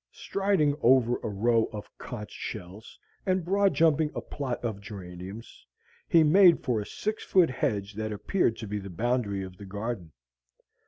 Striding over a row of conch shells and broad jumping a plot of geraniums, he made for a six foot hedge that appeared to be the boundary of the garden.